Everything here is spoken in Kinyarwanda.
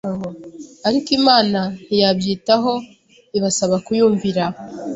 ariko Imana ntiyabyitaho ibasaba kuyumvira